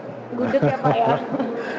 gudeg ya pak ya